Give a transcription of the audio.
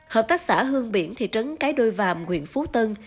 hợp tác xã hương biển thị trấn cái đôi vàm huyện phú tân